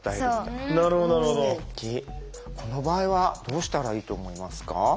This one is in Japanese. この場合はどうしたらいいと思いますか？